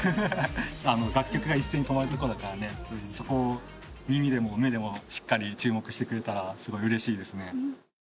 楽曲が一斉に止まるところとかそこを耳でも目でもしっかり注目してくれたらすごいうれしいですね。